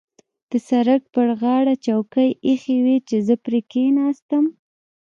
د سړک پر غاړه چوکۍ اېښې وې چې زه پرې کېناستم.